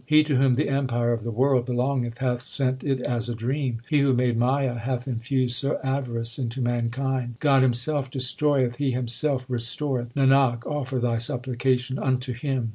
He to whom the empire of the world belongeth hath sent it as a dream. He who made Maya hath infused avarice into mankind. God Himself destroyeth, He Himself restoreth. Nanak, offer thy supplication unto Him.